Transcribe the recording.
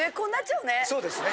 そうですね。